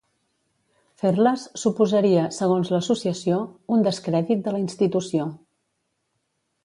Fer-les suposaria, segons l'associació, "un descrèdit de la institució".